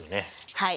はい。